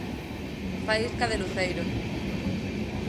Faísca de luceiro.